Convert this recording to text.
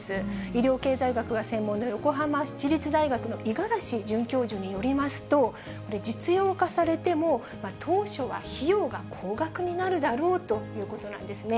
医療経済学が専門の横浜市立大学の五十嵐准教授によりますと、実用化されても、当初は費用が高額になるだろうということなんですね。